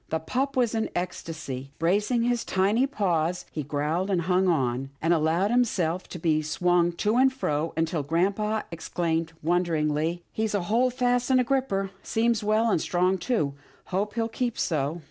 The pup was in an ecstasy. Bracing his tiny paws, he growled and hung on, and allowed himself to be swung to and fro, until grampa exclaimed won deringly, " He's a hold fast and a gripper. Seems well and strong too. Hope he'll keep so."